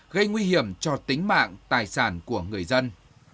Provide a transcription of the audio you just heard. gây nguy hiểm cho tính mạng tài sản của người dân